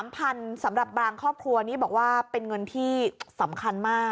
สำหรับบางครอบครัวนี่บอกว่าเป็นเงินที่สำคัญมาก